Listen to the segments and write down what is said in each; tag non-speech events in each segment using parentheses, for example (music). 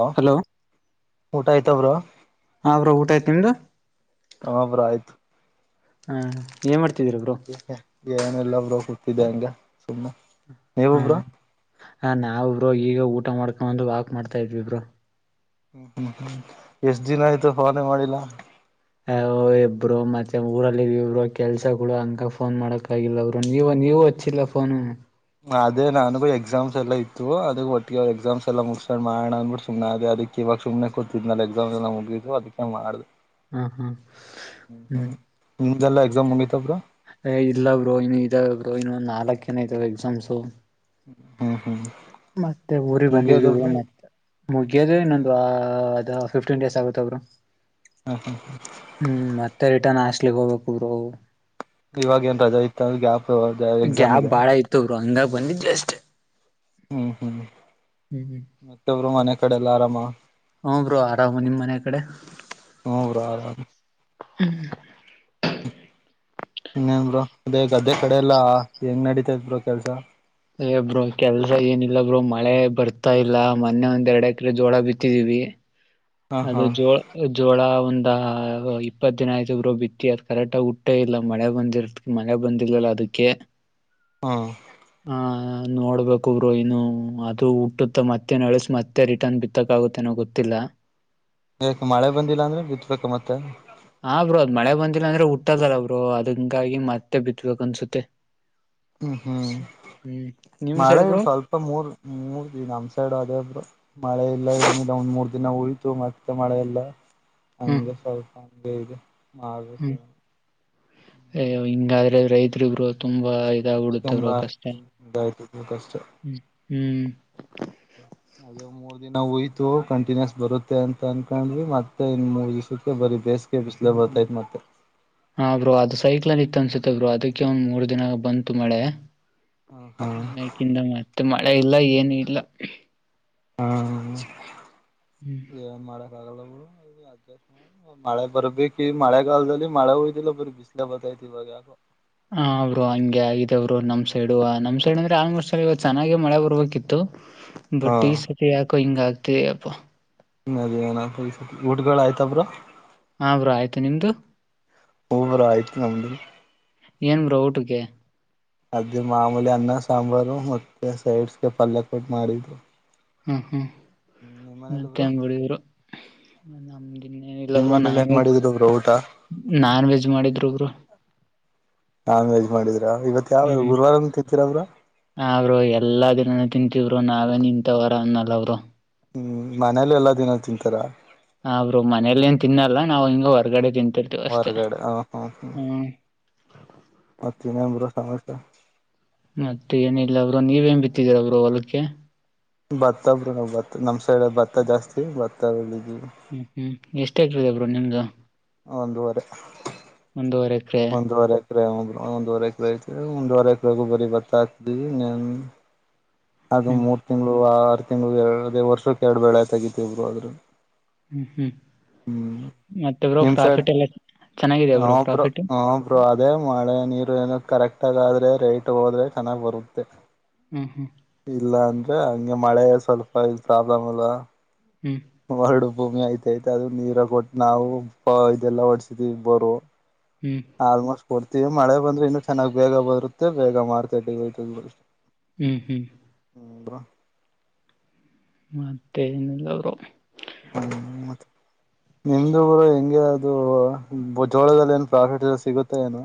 Hello ಊಟ ಆಯ್ತ bro? (unintelligible) ಹಾ ಬ್ರೋ ಊಟ ಆಯ್ತು ನಿಮ್ದು? (inaudible) ಹಾ ಬ್ರೋ ಆಯ್ತು. (inaudible) ಹಾ ಏನ್ ಮಾಡ್ತಿದೀರಾ ಬ್ರೋ? (inaudible) ಎ ಏನಿಲ್ಲ ಬ್ರೋ! ಕೂತಿದ್ದೆ ಹಂಗೆ ಸುಮ್ಮನೆ. (inaudible) ಹಾ ನಾವು ಬ್ರೋ ಈಗ ಊಟ ಮಾಡ್ಕೊಂಡು ಬಂದು ವಾಕ್ ಮಾಡ್ತಾ ಇದಿವಿ ಬ್ರೋ. (inaudible) ಹ್ಮ್ ಹ್ಮ್ ಹ್ಮ್ ಎಷ್ಟ್ ದಿನ ಆಯ್ತು! ಫೋನೇ ಮಾಡಿಲ್ಲ? (inaudible) ಏ ಹೋಗಿ ಬ್ರೋ ಮತ್ತೆ ಊರಲಿದೀವಿ. ಬ್ರೋ ಕೆಲ್ಸ ಕೂಡ! ಹಂಗ, ಫೋನ್, ಮಾಡಕ್, ಆಗಿಲ್ಲ ಬ್ರೋ, ನೀವು, ನೀವು. (inaudible) ಹಚ್ಚಿಲ್ಲ ಫೋನು? (inaudible) ಅದೇ ನನಗು ಎಕ್ಸಾಮ್ಸ್ ಎಲ್ಲ ಇತ್ತು. ಅದೆ ಒಟ್ಟಿಗೆ ಎಕ್ಸಾಮ್ಸ್ ಎಲ್ಲ ಮುಗಿಸಕೊಂಡ್ ಮಾಡಣ ಅಂದ್ಬಿಟ್ಟು ಸುಮ್ನಾದೆ ಅದಕ್ಕೆ ಇವಾಗ ಸುಮ್ನೆ ಕೂತಿದ್ನಲ್ಲ ಎಕ್ಸಾಮ್ ಎಲ್ಲ ಮುಗಿತು ಅದಕ್ಕೆೇ ಮಾಡ್ದೆ. ಹ ಹ ಹ್ಮ, ಹ್ಮ್ ನಿಮ್ದೇಲ್ಲ ಎಕ್ಸಾಮ್ ಮುಗಿತಾ ಬ್ರೋ ಏಯ್ ಇಲ್ಲ ಬ್ರೋ ಇನ್ನು ಇದಾವೆ ಬ್ರೋ ಇನ್ನು ನಾಲಾಕ್ಕೇನ ಇದಾವೇನ ಎಕ್ಸಾಮ್ಸು. ಹ್ಮ್, ಹ್ಮ ಮತ್ತೆ ಊರಿಗೆ ಬಂದಿದ್ವಿ ಮತ್ತ ಮುಗಿಯೋದ ಹ್ಮ್ ಇನ್ನೊಂದ ವಾರ ಅದಾ ಫಿಫ್ಟಿನ್ ಡೆಸ ಆಗತ್ತೆ ಬ್ರೋ. ಹಾ ಹಾ ಹಾ (inaudible) ಹ್ಮ್, ಮತ್ತೆ ರಿಟರ್ನ್ ಹಾಸ್ಟಿಲಿಗೆ ಹೋಗಬೇಕು ಬ್ರೋ. ಇವಾಗ ಏನ್ ರಜಾ ಇತ್ತ ಅಲ ಗ್ಯಾಪ್ ಇವಾಗ ಗ್ಯಾಪ್ ಬಾಳ ಇತ್ತು ಬ್ರೋ ಅಂಗಾಗಿ ಬಂದಿನಿ ಜಸ್ಟ್ ಹ್ಮ್, ಹ್ಮ್ ಮತ್ತೆ ಬ್ರೋ ಮನೆ ಕಡೆ ಎಲ್ಲ ಆರಾಮ. ಹ್ಮ್, ಬ್ರೋ ಆರಾಮ ನಿಮ್ಮ್ ಮನೆ ಕಡೆ ಹ್ರರಾಮ (unintelligible) ಹ್ಮ್ (inaudible) ಇನ್ನೇನ್ ಬ್ರೋ ಅದೇ ಗದ್ದೆ ಕಡೆ ಎಲ್ಲಾ ಹೆಂಗ್ ನಡೀತದ ಬ್ರೋ ಕೆಲ್ಸ. ಬ್ರೋ ಕೆಲ್ಸ ಏನಿಲ್ಲ ಬ್ರೋಮಳೆ ಬರ್ತಾ ಇಲ್ಲ ಮೊನ್ನೆ ಒಂದ್ ಎರಡು ಎಕರೆ ಜೋಳ ಬಿತ್ತಿದೀವಿ. ಹ ಹಾ ಅದು ಜೋಳ ಜೋಳ ಒಂದ ಇಪ್ಪತ್ ದಿನ ಆಯ್ತ ಗರು ಬಿತ್ತಿ ಅದ್ ಕರೆಕ್ಟ ಹುಟ್ಟೆಇಲ್ಲ ಮಳೆ ಬಂದಿರತ್ತ ಮಳೆಬಂದಿಲ್ಲವಲ್ಲ ಅದಕ್ಕೆ ಹಾ, ಆ ನೋಡ್ಬೇಕಬ್ರೋ ಇನ್ನು ಅದು ಹುಟ್ಟುತ್ತ ಮತ್ತೆ ಅಳಸಿ ಮ ಮತ್ತೆ ರಿಟರ್ನ್ ಬಿತ್ತಕ್ಕಾಗುತ್ತೆನೋ ಗೊತ್ತಿಲ್ಲಾ. ಯಾಕ ಮಳೆ ಬಂದಿಲ್ಲ ಅಂದ್ರೆ ಬಿತ್ಬೇಕ ಮತ್ತೆ ಹ, ಬ್ರೋ ಅದ್ ಮಳೆ ಬಂದಿಲ್ಲ ಅಂದ್ರೆ ಹುಟ್ಟದಿಲ್ಲ ಬ್ರೋ ಅದ ಹಂಗಾಗಿ ಮತ್ತೆ ಬಿತ್ಬೇಕ್ ಅನ್ಸುತ್ತೆ. ಹ್ಮ್, ಹ್ಮ್ ಹ್ಮ್ ನಿಮ್ ಮಳೆ ಸೈಡ್ ಬ್ರೋ ಸ್ವಲ್ಪ ಮೂರ್ ಮೂರ್ ದ ನಮ್ ಸೈಡು ಅದೇ ಒಬ್ರು (unintelligible) ಮಳೆ ಇಲ್ಲ ಒಂದ್ ಮೂರ್ ದಿನ ಉಳಿತು ಮತ್ ಮಳೆಇಲ್ಲಾ ಹ್ಮ್ ಹಂಗೆ ಸ್ವಲ್ಪಗೆ ಮಾಡ (unintelligible) ಅಯ್ಯೋ ಹಿಂಗಾದ್ರೆ ರೈತರು ಬ್ರೋ ತುಂಬಾ ಇದಾಗ್ಬಿಡುತ್ತೆ ಬ್ರೋ ತುಂಬಾ ಕಷ್ಟ ಕಷ್ಟ ಹ್ಮ್, ಅದೇ (unintelligible) ಮೂರ್ ದಿನ ಓಯ್ತು ಕಂಟಿನ್ಯೂಸ್ ಬರುತ್ತೆ ಅಂತ ಅನ್ಕೊಂಡ್ವಿ ಮತ್ತೆ ಇನ್ ಮೂರ್ ದಿವಸಕ್ಕೆ ಬರಿ ಬೇಸ್ ಬಿಸ್ಲೆ ಬರ್ತಾಯ್ತ್ ಮತ್ತೆ ಹಾ, ಬ್ರೋ ಅದು ಸೈಕ್ಲೋನಇತ್ತ ಅನ್ಸುತ್ತೆ ಬ್ರೋ ಅದಕ್ಕೆ ಒಂದ್ ಮೂರ್ ದಿನ ಬಂತು ಮಳೆ. ಹ ಹಾ ಅನ್ನಕಿಂತ (unintelligible) ಮತ್ತೆ ಮಳೆ ಇಲ್ಲ ಏನು ಇಲ್ಲ ಹಾ, ಹ್ಮ್ ಎನ್ ಮಾಡಕ ಆಗಲ್ಲ ಬ್ರಾ ಮಳೆ ಬರ್ಬೇಕ ಈ ಮಳೆಗಾಲದಲ್ಲಿ ಮಳೆ ಹೋಯ್ಲಿಬರೀ ಬಿಸ್ಲ ಬತ್ತೈ್ತಿ ಇವಾಗ. ಹಾ, ಬ್ರೋ ಹಂಗೆ ಆಗ ಇದ ಅವ್ರು ನಮ್ ಸೈಡ್ ನಮ್ ಸೈಡ್ ಅಂದ್ರೆ ಆಲ್ಮೋಸ್ಟ್ ಆಗಿ ಇವತ್ತು ಚೆನ್ನಾಗೆ ಮಳೆ ಬರ್ಬೇಕಿತ್ತು. (inaudible) ಬಟ್ ಈ ಸತಿ ಯಾಕೋ ಹಿಂಗ ಆಗ್ತೆಯಪ್ಪ. ಅದೇ ಏನ ಊಟ್ಗಳು ಆಯ್ತಬ್ರಾ (unintelligible) ಹಾ, ಬ್ರೋ ಬ್ರಾ ಆಯ್ತು ನಿಮ್ದು ಓ ಆಯ್ತು ನಮ್ಮದು. ಏನ್ ಬ್ರೋಊಟಕ್ಕೆ ಅದೇ ಮಾಮೂಲಿ ಅನ್ನ ಸಾಂಬಾರು ಮತ್ತೆ ಸೈಡ್ಸ್ಗೆ ಪಲ್ಯ ಕೊಟ್ಟ ಮಾಡಿದ್ರು ಹ್ಮ ಹ್ಮ್ ಹ್ಮ್ ನಿಮ್ ಮನೇಲಿ ಮತ್ತೆ ಬ್ರೋ ಅಂಗಡಿಯ್ರು ನಮ್ದ ನಿಮ್ ಇನ್ನೇನಿಲ್ಲಬ್ರು ಮನೇಲಿ ನಾನ್ ಏನ್ ವೆಜ್ ಮಾಡಿದ್ರು ಬ್ರೋ ಊಟ ನಾನ್ ವೆಜ್ ಮಾಡಿದ್ರು ಬ್ರೋ ನಾನ್ ವೆಜ್ ಮಾಡಿದ್ರ ಇವತ್ ಯಾವಾರು ಹ್ಮ್ ಗುರುವಾರ ಅಂತ ತಿತಿರ ಅವ್ರರು ಹಾ ಬ್ರೋ ಎಲ್ಲಾ ದಿನಾನ ತಿಂತಿದ್ರು ನಾವೇ ನಿಂತವರ ಅನ್ನಲ್ಲ ಅವರು ಹ್ಮ್ ಮನೇಲಿ ಎಲ್ಲ ದಿನ ತಿಂತಾರ ಹಾ ಬ್ರೋ ಮನೇಲಿ ಏನ್ ತಿನ್ನಲ್ಲಾ ನಾವು ಹಿಂಗ ಹೊರ್ಗಡೆ ತಿಂತೇವಿ ಹೊರಗಡೆ ಹ ಹ್ಮ ಹ್ಮ್ ಮಾತೆ ಏನೂ ಬ್ರೋ ಸಮಸೆ ಮತ್ತ ಏನು ಇಲ್ಲ ಬ್ರೋ ನೀವೇನ್ ಬಿತ್ತಿದೀರ ಬ್ರೋ ಹೊಲಕೆ ಭತ್ತ ಬ್ರೋ ಭತ್ತ ನಮ್ ಸೈಡ್ ಭತ್ತ ಜಾಸ್ತಿ ಭತ್ತಿ ಬೀಳುದೇವೆ ಹ್ಮ್ ಹ್ಮ್ ಎಷ್ಟ ಹಾಕರ್ ಬ್ರೋ ನಿಮ್ದು ಒಂದುವರೆ ಒಂದೂವರೆ ಎಕರೆ ಒಂದುವರೆ ಭತ್ತ ಬ್ರೋ ಒಂದೂವರೆ ಹಾಕರ್ ಆಯ್ತ್ ಒಂದೂವರೆ ಹಾಕರ್ ಬರೇ ಬತ್ತ ಹಾಕಿದೆವೆ ಅದು ಹ್ಮ್ ಮೂರು ತಿಂಗ್ಗಳುು ಆರು ತಿಂಗಳು ಎಡು ಅದೇ ವರ್ಷಕ್ಕೆ ಎರಡು ಬೆಳೆತ ತಗತಿ ಬ್ರೋ ಆದ್ರರು ಹ್ಮ್ ಹ್ಮ್ ಮತ್ತೆ ಬ್ರೋ ನಿಮ್ ಸೈಡ್ ಪ್ರಾಫಿಟ್ ಎಲ್ಲ ಚೆನ್ನಿದ ಹ ಬ್ರೋ ಪ್ರಾಫಿಟ್ ಹ ಬ್ರೋ ಅದೇ ಮಳೆ ನೀರು ಏನ ಕರೆಕ್ಟಗ ಆದ್ರೆ ರೈಟ್ ಹೋದ್ರೆ ಚೆನ್ನಾಗಿ್ ಬರುತ್ತೆ ಹ್ಮ ಹ್ಮ್ ಇಲ್ಲ ಅಂದ್ರೆ ಹಂಗೆ ಮಳೆ ಸ್ವಲ್ಪ ಪ್ರಾಬ್ಲಮ್ ಎಲ್ಲ ಹ್ಮ್ ವರಡು ಭೂಮಿ ಆಐ್ತ ಐ್ತ ಅದದು ನೀರ ಕೊಟ್ಟು ನಾವು ಇದೆಲ್ಲ ಒಡ್ಸಿದೀವಿ ಬರುವ ಹ್ಮ್ ಆಲ್ಮೋಸ್ಟ್ ಕೊಡ್ತೀವಿ ಮಳೆ ಬಂದ್ರೆ ಇನ್ನುೂ ಚೆನ್ನಾಗಿ ಬೇಗ ಬರುತ್ತೆ ಬೇಗ ಮಾರ್ುಟ್ಟ ಬತ್ತೆ ಹ್ಮ್ ಹ್ಮ್ ಹ್ಮ್ ಬ್ರೋ ಮತ್ತೆ ಏನಲ್ಲ ಬ್ರೋ (unintelligible) (inaudible) ನಿಮ್ದುಊರು ಹೆಂಗೆ ಅದು ಜೋಳದಲ್ಲಿ ಏನು ಪ್ರಾಫಿಟ್ ಸಿಗುತ್ತೆ ಏನು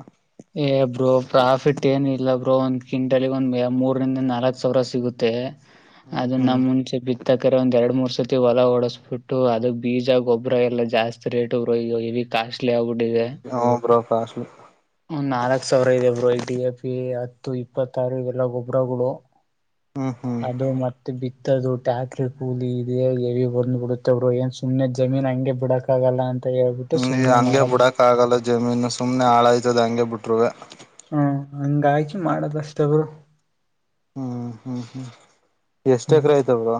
ಏ ಬ್ರೋ ಪ್ರಾಫಿಟ್ ಏನ ಇಲ್ಲ ಬ್ರೋ ಒಂದ್ ಕ್ವಿಂಟಲ್ಗ ಒಂದ್ ಮೂರಂದ ನಾಲ್ಕ ಸಾವಿರ ಸಿಗುತ್ತೆ ಹ್ಮ್ ಅದ ಹ್ಮ್ ನಮ್ಮ್ ಮುಂಚೆ ಬಿ ತಕ್ರ ಒಂದ ಎರಡು ಮೂರ್ ಸರ್ತಿ ಹೊಲ ಓಡಸಟ್ಟು ಅದಕ್ ಬೀಜ ಗೊಬ್ಬರ ಎಲ್ಲ ಜಾಸ್ತಿ ರೇಟ್ ಬ್ರೋ ಈಗ ಕಾಸ್ಟ್ ಹ ಬ್ರೋ ಕಾಸ್ಟಲಿ ನಾಲ್ಕ್ ಸಾವಿರ ಇದೆ ಬ್ರೋ ಡಿ ಎ ಪಿ ಹತ್ತು ಇಪ್ಪತ್ತಾರು ಇವೆಲ್ಲಾ ಗೊಬ್ಬ್ರಗಳು ಹ್ಮ್ ಹ್ಮ್ ಅದು ಮತ್ತೆ ಬಿತ್ತದು ಟ್ಯಾಕ್ಟ್ರಿ ಕೂಲಿ ಇದೆ ಎವಿ ಬಂದ್ ಬಿಡುತ್ತವರು ಏನ್ ಸುಮ್ಮನೆದ ಜಮೀನ್ ಹಂಗೆ ಬಿಡಕ ಆಗಲ್ಲ ಅಂತ ಹೇಳ್ಬಿಟ್ಟು ಸುಮ್ನೆ ಮಾಡದ ಹಕ್ಕಗಲ್ಲ ಜಮೀನು ಸುಮ್ನೆ ಹಾಳಾಯ್ತದ ಹಂಗೆ ಬಿಟ್ರುರುವೆ ಹ್ಮ ಹಾಗಾಗಿ ಮಾಡದ ಅಷ್ಟ ಬ್ರೋ ಹ್ಮ್ ಹ್ಮ್ ಹ್ಮ್ ಎಷ್ಟ್ ಹ್ಮ್ ಎಕರೆ ಆಯ್ತ ಬ್ರೋ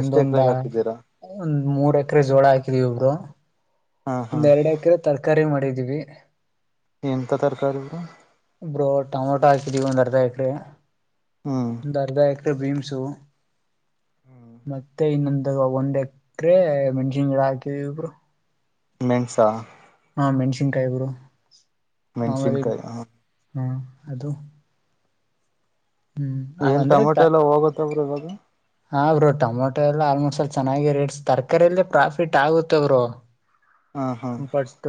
ಎಷ್ಟ್ ಎಕರೆಗೆ ಹಾಕಿದ್ದೀರಾ ಒಂದ್ ಮೂರ್ ಎಕರೆ ಜೋಳ ಹಾಕಿದ್ವಿ ಬ್ರೋ ಹಾ ಹಾ ಒಂದ್ ಎರಡು ಎಕರೆ ತರಕಾರಿ ಮಾಡಿದೀವಿ ಎಂತ ತರಕಾರಿ ಬ್ರೋ ಬ್ರೋ ಟೊಮೊಟೊ ಹಾಕಿದೀವಿ ಒಂದ್ ಅರ್ಧ ಎಕರಿ ಹ್ಮ್ ಒಂದು ಅರ್ಧ ಎಕರೆ ಬೀಮ್ಸು ಮತ್ತೆ ಇನ್ನೊಂದು ಅ ಒಂದ್ ಎಕ್ರೆ ಮೆಣ್ಸಿನ್ ಗಿಡ ಹಾಕಿದೀವಿ ಬ್ರೋ. ಮೆಣಸಾ ಹಾ ಮೆಣ್ಸಿನ್ಕಾಯಿ ಗುರು ಮಾಮುಲಿ ಮೆಣ್ಸಿನ್ಕಾಯಿ ಹ ಹಾ ಅದು. ಹ್ಮ್ ಏನ್ ಅಂದ್ರೆ ಟಮೊಟೊ ತ ಎಲ್ಲ ಹೋಗತ್ತಾ ಬ್ರೋ ಇವಾಗ. ಹಾ ಬ್ರೋ ಟೊಮೊಟೊ ಎಲ್ಲ ಆಲ್ಮೋಸ್ಟ್ ಎಲ್ಲಿ ಚೆನ್ನಾಗಿ ರೇಟ್ಸ್ ತರಕಾರಿಯಲ್ಲೇ ಪ್ರಾಫಿಟ್ ಆಗುತ್ತೆ ಬ್ರೋ. ಹಾ ಹಾ ಬಟ್ಟ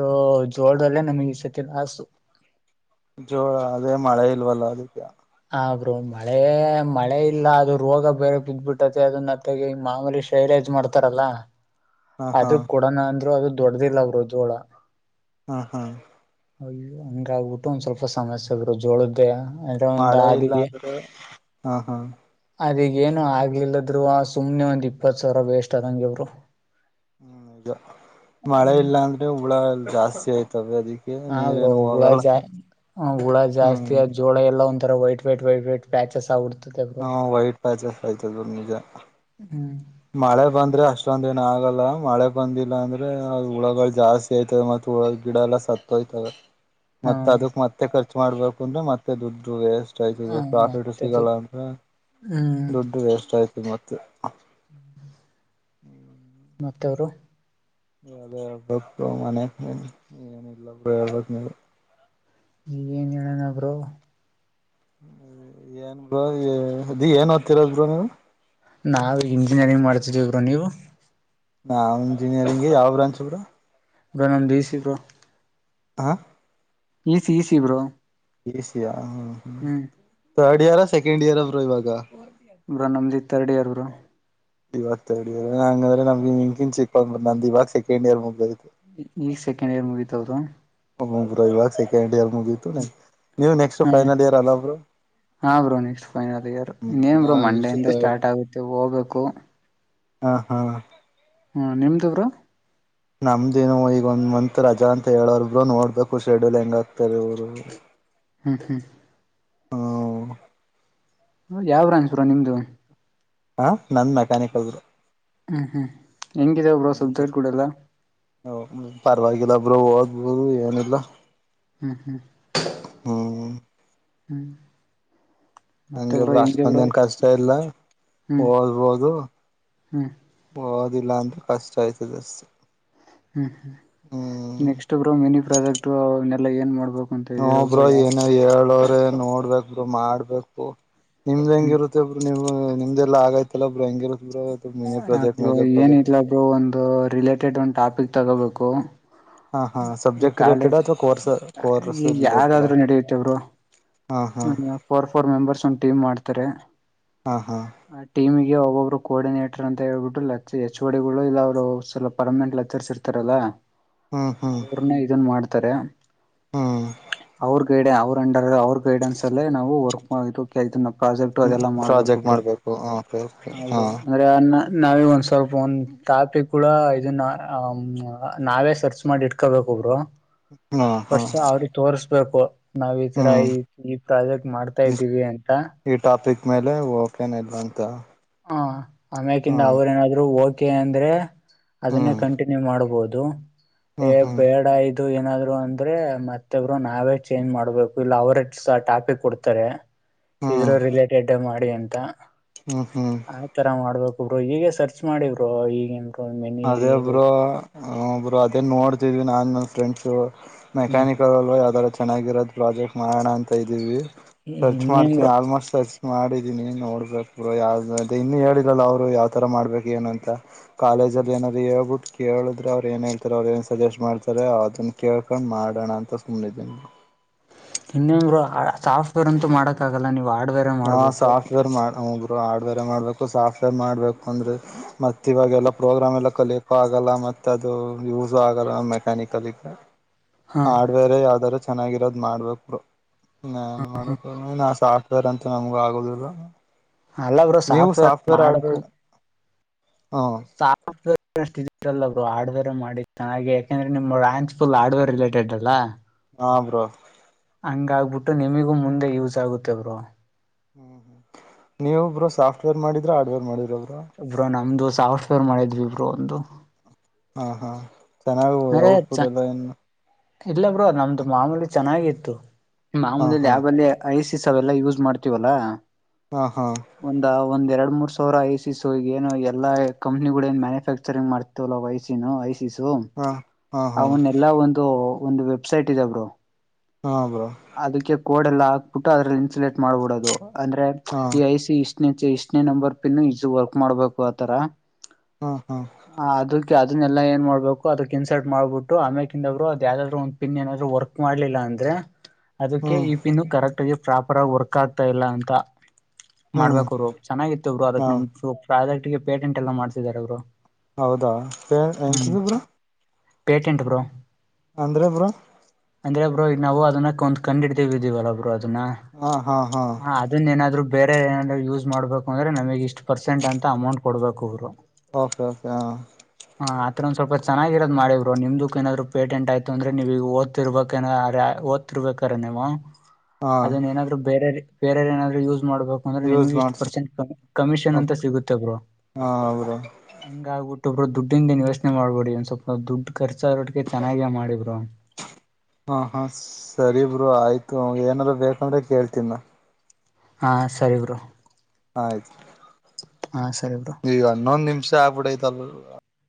ಜೋಳದಲ್ಲೇ ನಮಗೆ ಈ ಸತಿ ಲಾಸು. ಜೋ ಅದೇ ಮಳೆ ಇಲ್ವಲ್ಲ ಅದಕ್ಕೆ. ಹ ಬ್ರೋ ಮಳೆ ಮಳೆ ಇಲ್ಲ ಅದು ರೋಗ ಬೇರೆ ಬಿದ್ದ್ಬಿಟ್ಟತಿ ಅದನ್ನ ಜತೆಗೆ ಈ ಮಾಮೂಲಿ ಶೈರಾಜ್ ಮಾಡ್ತಾರಲ್ಲಾ. ಹಾ ಹಾ ಅದ್ರುಕ್ ಕೊಡಣ ಅಂದ್ರು ಅದು ದೊಡ್ಡ್ದಿಲ್ಲ ಬ್ರೋ ಜೋಳ. ಹಾ ಹಾ ಹಯ್ಯೋ ಹಂಗ ಆಗ್ಬಿಟ್ಟು ಒಂದ್ ಸ್ವಲ್ಪ ಸಮಸ್ಯೆಗರು ಜೋಳದ್ದೇಯ. ಮಳೆ ಇಲ್ಲ ಅಂದ್ರೆ ಹಾ ಹಾ. ಅದೀಗ ಏನು ಆಗಿಲ್ಲದ್ರುವ ಆ ಸುಮನೆ ಒಂದ್ ಇಪ್ಪತ್ತು ಸಾವಿರ ವೇಸ್ಟ್ ಅದಂಗೆ ಬ್ರೋ. ಹ್ಮ್ ಈಗ ಮಳೆ ಇಲ್ಲ ಅಂದ್ರೆ ಹುಳ ಎ ಜಾಸ್ತಿ ಆಯ್ತವೇ ಅದಿ ಹಾ ಬ್ರೋ ಹುಳ ಜಾ ಹುಳ ಜಾಸ್ತಿ ಹ್ಮ್ ಜೋಳ ಎಲ್ಲಾ ಉಂ (unintelligible) ರ white white white white patches ಆ ಹಾ ವೈಟ್ ಪ್ಯಾಚಸ್ ಆಯ್ತುದು ನಿಜ. ಹ್ಮ್ ಮಳೆ ಬಂದ್ರೆ ಅಷ್ಟೊಂದ್ ಎನ್ ಆಗಲ್ಲ ಮಳೆ ಬಂದಿಲ್ಲ ಅಂದ್ರೆ ಹುಳಗಳು ಜಾಸ್ತಿ. ಸೇತದೆ ಮತ್ ಹುಳ ಗಿಡ ಎಲ್ಲ ಸತ್ತೋಯ್ತವೆ. ಹಾ ಮತ್ತ್ ಅದಕ್ ಮತ್ತೆ ಖರ್ಚ ಮಾಡ್ಬೇಕು ಅಂದ್ರೇ ಮತ್ತೆ ದುಡ್ಡು ವೇಸ್ಟ್. ಹ ಆಯ್ತದೆ ಪ್ರಾಫಿಟ್ ಮತ್ತೆ ಸಿಗಲ್ಲ ದುಡ್ ಅಂತ ಹ್ಮ್ ದುಡ್ಡು ವೇಸ್ಟ್ ಆಯ್ತದೆ ಮತ್ತೆ. (inaudible) ಮತ್ತೇ ಬ್ರೋ. ಎಲ್ಲಾ ಹೇಳ್ಬೇಕ್ ಬ್ರೋ ಮನೆ ಏನ ಇಲ್ಲ ಬ್ರೋ ಹೇಳ್ಬೇಕ್ ನೀವೇ. ಈಗ ಏನ್ ಹೇಳನಾ ಬ್ರೋ. ಏನ್ ಬ್ರೋ ಏ ಅದು ಓದ್ತಿರೋದು ಬ್ರೋ ನೀವು. ನಾವು ಇಂಜಿನಿಯರಿಂಗ್ ಮಾಡ್ತೀದೀವಿ ಬ್ರೋ ನೀವು. ನಾವು ಇಂಜಿನಿಯರಿಂಗೇ ಯಾವ್ ಬ್ರಾಂಚ್ ಬ್ರೋ. ಬ್ರೋ ನನ್ ಡಿಸಿ ಬ್ರೋ. ಹಾ ಈಸಿ ಈಸಿ ಬ್ರೋ. ಈಸಿಯಾ ಹ್ಮ ಹ್ಮ್ ಥರ್ಡ್ ಇಯರ್ ಸೆಕೆಂಡ್ ಇಯರ್ರೋ ಬ್ರೋ ಇವಾಗ. ಬ್ರೋ ನಮ್ದ್ ಈಗ್ ಥರ್ಡ್ ಇಯರ್ ಬ್ರೋ. ಇವಾಗ ತರ್ಡ್ ಇಯರ್ಂಗಾದ್ರೇ ನಮಗೆ (unintelligible) ನಮ್ದ ಇವಾಗ ಸೆಕಂಡ್ ಇಯರ್ ಮುಗ್ದೈತೆ. ಈ ಈಗ್ ಸೆಕೆಂಡ್ ಇಯರ್ ಮುಗಿತಾ ಬ್ರೋ. (unintelligible) ಬ್ರೋ ಇವಾಗ ಸೆಕೆಂಡ್ ಇಯರ್ ಮುಗಿತು ನೀವ್ ನೆಕ್ಸ್ಟ್ ಹ್ಮ ಫೈನಲ್ ಇಯರ್ ಅಲ್ಲ ಬ್ರೋ. ಹಾ ಬ್ರೋ ನೆಕ್ಸ್ಟ್ ಫೈನಲ್ ಇಯರ್ ಹ್ಮ್ ಇನ್ನೇನ್ ಬ್ರೋ ನಾವ್ ನೆಕ್ಸ್ಟ್ ಮಂಡೆಯಿಂದ ಥರ್ಡ್ ಸ್ಟಾರ್ಟ್ ಆಗುತ್ತೆ ಹೋಗ್ಬೇಕು. ಹಾ ಹಾ ಹಾ ನಿಮ್ದು ಬ್ರೋ. ನಮ್ದೇನು ಈಗ ಒಂದ್ ಮಂತ್ ರಜಾ ಅಂತ ಹೇಳವ್ರೇ ಬ್ರೋ ನೋಡ್ಬೇಕು ಶೆಡ್ಯೂಲ್ ಹೆಂಗ್ ಆಗ್ತಾರ ಇವರು. ಹ್ಮ್ ಹ್ಮ್ ಹ್ಮ ಯಾವ್ ಬ್ರಾಂಚ್ ಬ್ರೋ ನಿಮ್ದು. ಹ ನಂದ್ ಮೆಕ್ಯಾನಿಕಲ್ ಬ್ರೋ. ಹ್ಮ್, ಹ್ಮ್ ಹೆಂಗಿದೆ ಬ್ರೋ ಸ್ದ (unintelligible) ಟ್ ಕೂಡಲ್ಲ ಹ, ಪರವಾಗಿಲ್ಲ ಬ್ರೋ ಓದ್ಬೋದು ಏನಿಲ್ಲಾ ಹ್ಮ್, ಹ್ಮ್ ಹ್ಮ್, ಹ್ಮ್ (inaudible) ಹಂಗಿಲ್ಲಾ ಹೆಂಗೆ ಅಷ್ಟೊಂದು ಬ್ರೋ ಏನ್ ಕಷ್ಟ ಇಲ್ಲ ಹ್ಮ್ ಓದ್ಬೋದು. ಹ್ಮ್ ಹಓದಿಲ್ಲ ಅಂದ್ರೆ ಕಷ್ಟ ಆಯ್ತದಸ್ (unintelligible) ಹ್ಮ್, ನೆಕ್ಸ್ಟ್ ಬ್ರೋ ಮಿನಿ ಪ್ರಾಜೆಕ್ಟ್ ಅವನ್ನೆಲ್ಲಾ ಏನ್ ಮಾಡ್ಬೇಕು.? - ಹಾ, ಬ್ರೋ ಏನ ಹೇಳವ್ರೆನೋಡ್ಬೇಕ್, ಮಾಡ್ಬೇಕಕ್ ನಿಮ್ದ್ ಹ್ಮ್ ಹೆಂಗಿರುತ್ತ- ನಿಮ್ದೆಲ್ಲ ಆಗೈತಲ್ಲ ಬ್ರೋ ಹೆಂಗಿರ ಮಿನಿ ಹ ಪ್ರಾಜೆಕ್ಟ್, ಬ್ರೋ ಮೇಜರ್ ಪ್ರಾಜೆಕ್ಟ್ ಏನಿಲ್ಲ ಬ್ರೋ ಒಂದು ರಿಲೇಟೆಡ್ ಒಂದು ಟಾಪಿಕ್ ತಗೋಬೇಕು. ಹಾ, ಹಾ ಸಬ್ಜೆಕ್ಟ್ ರಿಲೇಟೆಡ್ ಕಾಲೇಜ್ ಅಥವಾ ಕೋರ್ ಕೋರ್ಸ್ ಈಗ ರಿಲೇಟೆಡಾ ಯಾವ್ದಾದ್ರು ನಡೆಯುತ್ತೆ ಬ್ರೋ ಫೋರ್ ಫೋರ್ ಮೆಂಬರ್ಸ್ ಒಂದ ಟೀಮ್ ಮಾಡ್ತಾರೆ. ಹಾ ಹಾ ಆ ಟೀಮಿಗೆ ಒಬ್ಬಬ್ರು ಕೋರ್ಡಿನೇಟರ್ ಅಂತ ಹೇಳ್ಬಿಟ್ಟು ಲ ಎಚ್, ಒ, ಡಿ ಗಳು ಇಲ್ಲ ಅವರು ಸ್ವಪ ಪರ್ಮನೆಂಟ್ ಲೆಚರ್ಸ್ ಇರ್ತಾರೆ. ತಾರಲ್ಲ ಹ್ಮ್ ಅವ್ರನ್ನ ಇದನ್ ಮಾಡ್ತಾರೆ- ಹಾ (inaudible) ಅವ್ರ ಗೈಡೆ ಅವ್ರ ಅಂಡರ್ ಅವ್ರ ಗೈಡೆನ್ಸ್ ಅಲ್ಲೇ ನಾವು ವರ್ಕ್ ಮಾಡು ಪ್ರಾಜೆಕ್ಟ್ ಹ್ಮ್ ಅದೆಲ್ಲಾ ಪ್ರಾಜೆಕ್ಟ್ ಮಾಡ್ಬೇಕೊಬ್ರೋ ಮಾಡ್ಬೇಕು ಓಕೆ ಓಕೆ ಹಾ ನಾವೇ ಒಂದ್ ಸ್ವಲ್ಪ ಒಂದ ಟಾಪಿಕ್ ಕೂಡ ಇದ ನಾವೇ ಸರ್ಚ್ ಮಾಡಿ (unintelligible) ಇಕಬೇಕು ಬ್ರೋ ಹಾ ಹಾ ಫಸ್ಟ್ ಅವ್ರ ತೋರ್ಸ್ಬೇಕು ನಾವ್ ಈ ತರ ಹ್ಮ್ ಈ ಈ ಪ್ರಾಜೆಕ್ಟ್ ಮಾಡ್ತಾ ಇದ್ದೀವಿ ಅಂತ ಈ ಟಾಪಿಕ್ ಮೇಲೆ ಓಕೆನ ಇಲ್ಲ ಅಂತ ಹ, ಹ್ಮ ಆಮ್ಯಕಿಂದ ಅವ್ರೇಏನಾದ್ರು ಓಕೆ ಅಂದ್ರೆ ಅದನ್ನೇ ಹ್ಮ್ ಕಂಟಿನ್ಯೂ ಮಾಡ್ಬೋದು. ಹ್ಮ್ ಹ್ಮ್ ಡ ಇದು ಏನಾದ್ರು ಅಂದ್ರೆ ಮತ್ತೊಬ್ರು ನಾವೇ ಚೇಂಜ್ ಮಾಡ್ಬೇಕು ಇಲ್ಲ ಅವ್ರ ಟಾಪಿಕ್ ಕೊಡ್ತಾರೆ. ಇದ್ರುಇಲೇಟೆಡ್ ಮಾಡಿ ಅಂತ ಹ್ಮ, ಹ್ಮ್ ಆ ತರ ಮಾಡ್ಬೇಕು ಬ್ರೋ ಹೀಗೆ ಸರ್ಚ್ಮ ಮಾಡಿ ಈಗ ಅದೇ ಬ್ರೋ ಹ ಬ್ರೋ ಅದೇ ನೋಡತಿದ್ವಿ ನಾನ್ ನನ್ನ ಫ್ರೆಂಡ್ಸು ಹ್ಮ್ ಮೆಕ್ಯಾನಿಕಲ್ ಅಲ್ವಾ ಯಾವ್ದಾರ ಚೆನ್ನಾಗಿರೋದು. ಪ್ರಾಜೆಕ್ಟ್ ಮಾಡೋಣ ಅಂತ ಇದ್ದೀವಿ ಸರ್ಚ್ ಇನ್ನೇನ್ ಮಾಡ್ತೀವಿ ಬ್ರೋ ಆಲ್ಮೋಸ್ಟ್ ಸರ್ಚ್. ಮಾಡಿದೀನಿ ನೋಡ್ಬೇಕು ಬ್ರೋ ಯಾವ ಇನ್ನುೂ ಹೇಳಿನಲ್ಲಾಅವ್ರು ಯಾವಥರ ಮಾಡ್ಬೇಕು ಏನು ಅಂತ ಕಾಲೇಜಲ್ಲಿ ಏನಾದ್ರು ಹೇಳ್ಬಿಟ್ಟು ಕೇಳಿದ್ರೆ ಅವ್ ಏನ್ ಹೇಳ್ತಾರೆ ಅವ್ರ ಏನ್ ಸಜೆಸ್ಟ್ ಮಾಡ್ತಾರೆ ಅದನ್ನ ಕೇಳ್ಕೊಂಡ್ ಮಾಡೋಣ ಅಂತ. ಕನೆದ (unintelligible) ಇನ್ನಂಗರು ಸಾಫ್ಟ್ವೇರ್ ಅಂತೂ ಮಾಡಕ್ಕಾಗಲ್ಲ ನೀವು ಹಾರ್ಡ್ವೇರ್ ಹಾ, ಮಾಡ್ಬೇಕು ಸಾಫ್ಟ್ವೇರ್ ಮಾಡ ಬ್ರೋ ಹರ್ಡ್ವೇರ್ ಮಾಡ್ಬೇಕು ಸಾಫ್ಟ್ವೇರ್ ಮಾಡ್ಬೇಕು ಅಂದ್ರೆ ಮತ್ತ ಇವಾಗೆಲ್ಲ ಪ್ರೋಗ್ರಾಮ್ ಎಲ್ಲ ಕಲಿಯಕೋ ಆಗಲ್ಲ. ಮತ್ತೆ ಅದು ಯೂಸ ಆಗಲ್ಲ ಮೆಕ್ಯಾನಿಕ ಕಲಿಯಲ್ಲಾ. ಹಾ ಹಾಡವೇರೆ ಯಾವ್ದಾರೂ ಚೆನ್ನಾಗಿರೋದ್ ಮಾಡ್ಬೇಕು (unintelligible) ನನ್ ಮಾಡ ನಾ ಸಾಫ್ಟವೇರ್ ಅಂತ ನಮಗೂ ಆಗೋದಿಲ್ಲ. ಅಲ್ಲ ಬ್ರೋ ನೀವು ಸಾಫ್ಟ್ವೇರ್ ಆಡ್ವೇರ ಹ ಸಾಫ್ಟ್ವೇರ್ಷ್ಟ (unintelligible) ಲ್ಲರು ಹಾರ್ಡ್ವೇರ್ ಮಾಡಿ ಚೆನ್ನಾಗಿ ದೆಯಾಕೆಂದ್ರೆ ನಿಮ್ಮ ಬ್ರಾಂಚ್ ುಲ್ ಆಡವೇರರಿಲೇಟೆಡ್ ಅಲ್ವಾ - ಹಾ, ಬ್ರೋ ಹಂಗ ಆಗ್ಬಿಟ್ಟು ನಿಮಗೂ ಮುಂದೆ ಯೂಸ್ ಆಗುತ್ತೆ ಬ್ರೋ. ಹ್ಮ್ ಹ್ಮ್ ನೀವಬ್ರು ಸಾಫ್ಟ್ವೇರ್ ಮಾಡಿದ್ರ ಹಾರ್ಡ್ವೇರ್ ಮಾಡಿದವರ ಬ್ರೋ ನಮ್ದು ಸಾಫ್ಟ್ವೇರ್ ಮಾಡಿದ್ವಿ ಇಬ್ರು ಒಂದು ಹಾ ಹಾ ಚೆನ್ನಾಗ ಅದೇ ಔಟ್ಪುಟ್ ಚ ಅದೆ ಎನ್ನ ಇಲ್ಲ ಬ್ರೋ ನಮ್ದು ಮಾಮೂಲಿ ಚೆನ್ನಾಗಿತ್ತು (inaudible) ಹಾ ನಮ್ದ್ ಹಾ ಲ್ಯಾಬ ಅಲ್ಲಿ ಐಸಿಸ್ ಅವೆಲ್ಲಾ ಯೂಸ್ ಮಾಡ್ತೀವಲ್ಲಾ. ಹಾ ಹಾ ಒಂದ್ ಒಂದ ಎರಡ್ ಮೂರ್ ಸಾವಿರ ಐ ಸಿ ಸ ಏನೋ ಎಲ್ಲ ಕಂಪ್ನಿಗಳು ಏನ್ ಮ್ಯಾನುಫ್ಯಾಕ್ಚರಿಂಗ್ ಮಾಡ್ತಾ (unintelligible) ಐಸಿನ ಐಸ್ ಇತ್ತ್ ಸೂ ಹಾ ಹಾ ಹಾ ಅವನ್ ಎಲ್ಲಾ ಒಂದು ಒಂದು ವೆಬ್ಸೈಟ್ ಇದ ಬ್ರೋ ಹಾ ಬ್ರೋ ಅದಕ್ಕೆ ಕೋಡೆ ಎಲ್ಲ ಹಾಕ್ಬಿಟ್ಟು ಅದ್ರಲ್ಲಿ ಇನ್ಸುಲೇಟ್ ಮಾಡ್ಬಿಡದು ಅಂದ್ರೆ ಹಾ ಈ ಐ ಸಿ ಇಷ್ಟ ಇಷ್ಟನೇ ನಂಬರ್ ಪಿನ್ನು ಈಸು ವರ್ಕ್ ಮಾಡ್ಬೇಕು ಆತರ ಹ ಹಾ ಆ ಅದಕ್ಕೆ ಅದನ್ನಲ್ಲಾ ಏನ್ ಮಾಡ್ಬೇಕು ಅದಕ್ ಇನ್ಸರ್ಟ್ ಮಾಡ್ಬಿಟ್ಟು ಆಮ್ಯ ಅವರು ಅದ ಯಾವಾದ್ರು ಒಂದು ಪಿನ್ ಏನಾದರು ವರ್ಕ್ ಮಾಡ್ಲಿಲ್ಲ ಅಂದ್ರೆ ಅದಕ್ಕೆ ಹ್ಮ್ ಈ ಪಿನ್ ಕರೆಕ್ಟ್ ಆಗಿ ಪ್ರಾಪರ್ ಆಗಿ ವರ್ಕ್ ಆಗ್ತಾ ಇಲ್ಲ ಅಂತ (inaudible) ಹ್ಮ್ ಮಾಡ್ಬೇಕ ಅವರು ಚೆನ್ನಾಗಿತ್ತ ಬ್ರೋ ಹ ಅದಕ್ ನಮ್ದ ಪಾದಿಟಿಗೆ ಪೇಟೆಂಟ್ ಎಲ್ಲ ಮಾಡಸಿದಿದ್ದಾರೆ ಅವರು ಹೌದಾ ಪೆ ಹ್ಮ್ ಎಂತಿದಿಬ್ರು ಪೇಟೆಂಟ್ ಬ್ರೋ ಅಂದ್ರೆ ಬ್ರೋ ಅಂದ್ರೆ ಬ್ರೋ ಈಗ ನಾವು ಅದನ್ನಕ್ಕಂದ್ ಕಂಡ್ಡ್ತೀವಿ ಇದೀವಲ್ಲ ಬ್ರೋ ಅದನ್ನ ಹಾ ಹಾ ಹಾ ಇನ್ನಿನ ಏನಾದ್ರು ಬೇರೆ ಏನಾದ್ರು ಯೂಸ್ ಮಾಡ್ಬೇಕು ಅಂದ್ರೆ ನಮಗ್ ಇಷ್ಟ ಪರ್ಸಂಟ್ ಅಂತ ಅಮೌಂಟ್ ಕೊಡ್ಬೇಕು ಅವ್ರು. ಓಕೆ ಓಕೆ ಹ ಹ ಆತ್ರ ಒಂದ ಸ್ವಲ್ಪ ಚೆನ್ನಾಗಿರೋದ ಮಾಡಿ ಬ್ರೋ ನಿಮ್ದಕ್ಕ ಏನಾದರು ಪೇಟೆಂಟ್ ಆಯ್ತು ಅಂದ್ರೆ ನೀವೀಗ ಓದತಿರ್ಬೇಕೇ ಅರೆ ಓದ್ತಿರ್ಬೇಕರ ನೀವು ಹಾ ಅದನ್ನ ಏನಾದ್ರು ಬೇರೆ ಬೇರೆರ್ ಏನಾದ್ರು ಯೂಸ್ ಮಾಡ್ಬೇಕು. ಅಂದ್ರೆ ಯೂಸ್ ನಿಮಗೆ ಇಷ್ಟು ಮಾಡ್ಸ ಪರ್ಸೆಂಟ್ ಕ ಕಮಿಷನ್ ಅಂತ ಸಿಗುತ್ತೆ ಬ್ರೋ ಹಾ ಬ್ರೋ ಹಂಗ ಆಗ್ಬಿಟ್ಟೊಬ್ರು ದುಡ್ಡಿದ್ದೇನ ಯೋಚನೆ ಮಾಡ್ಬೇಡಿ ಒಂದ್ ಸ್ವಲ್ಪ ದುಡ್ಖರ್ಚರೋಟಕೆ ಚನ್ನಾಗೇ ಮಾಡಿಬ್ರೋ (inaudible) ಹ ಹಾ ಸರಿಬ್ರೋ ಆಯ್ತು ಏನಾರ್ ಬೇಕಂದ್ರೆ ಕೇಳ್ತನ್ ಹಾ ಸರಿ ಬ್ರೋ ಆಯ್ತ ಹಾ ಸರಿ ಬ್ರೋ ಈಗ ಹನ್ನೊಂದ್ ನಿಮಿಷ ಆಗ್ಬಿಡ್ಐತಲ್